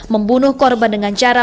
membunuh korban dengan cara